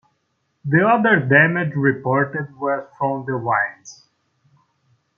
The other damage reported was from the wind.